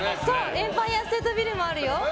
エンパイアステートビルもあるよ。